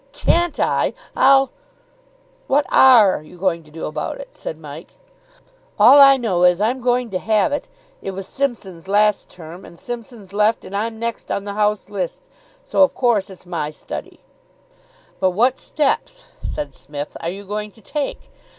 '" "Can't I! I'll " "What are you going to do about it?" said Mike. "All I know is, I'm going to have it. It was Simpson's last term, and Simpson's left, and I'm next on the house list, so, of course, it's my study." "But what steps," said Psmith, "are you going to take?